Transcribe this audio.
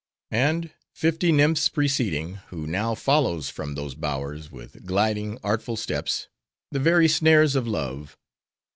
And, fifty nymphs preceding, who now follows from those bowers, with gliding, artful steps:—the very snares of love!